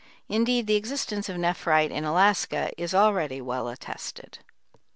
Indeed, the existence of nephrite in Alaska is already well attested.